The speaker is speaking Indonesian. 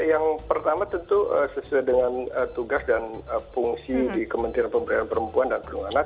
yang pertama tentu sesuai dengan tugas dan fungsi di kementerian pemberdayaan perempuan dan perlindungan anak